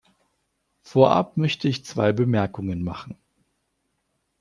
Vorab möchte ich zwei Bemerkungen machen.